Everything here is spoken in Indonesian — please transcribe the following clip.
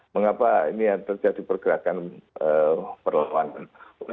mengapa ini terjadi pergerakan perlawanan